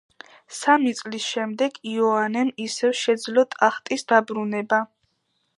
სამი წლის შემდეგ იოანემ ისევ შეძლო ტახტის დაბრუნება.